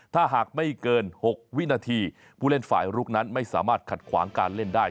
ถ้าหากไม่เกิน๖วินาทีผู้เล่นฝ่ายลุกนั้นไม่สามารถขัดขวางการเล่นได้